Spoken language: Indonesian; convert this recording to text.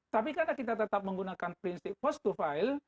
tapi karena kita tetap menggunakan prinsip first to file